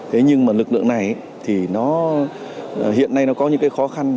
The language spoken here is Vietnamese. thế nhưng mà lực lượng này thì hiện nay nó có những khó khăn